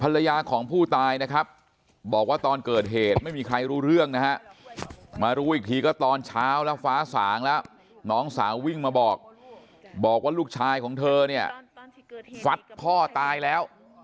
แล้วฟ้าสางแล้วน้องสาววิ่งมาบอกบอกว่าลูกชายของเธอเนี่ยฟัดพ่อตายแล้ว